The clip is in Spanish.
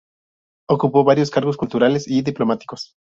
Ocupó varios cargos culturales y diplomáticos.